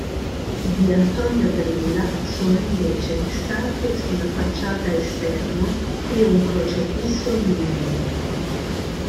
Di Antonio Brilla sono invece le statue sulla facciata esterna e un crocefisso ligneo.